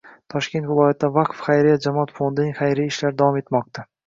Toshkent viloyatida “Vaqf” xayriya jamoat fondining xayriya ishlari davom etmoqda